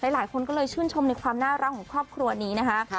หลายคนก็เลยชื่นชมในความน่ารักของครอบครัวนี้นะคะ